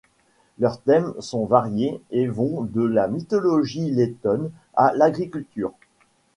Leurs thèmes sont variés et vont de la mythologie lettonne à l'agriculture.